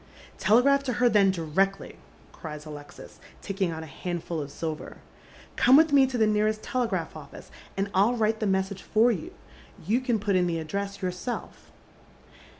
" Telegraph to her tlicn directly," cries Alexis, taking out a handful of silver. " Come with me to the nearest telegraph ofBco, and I'll write the message for you. You can put in the address yourself."